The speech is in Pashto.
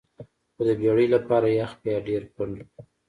خو د بیړۍ لپاره یخ بیا ډیر پنډ وي